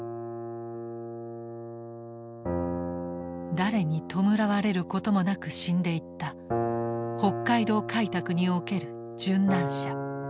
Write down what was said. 誰に弔われることもなく死んでいった北海道開拓における殉難者。